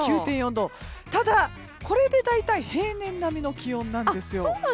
ただ、これで大体平年並みの気温なんですよ。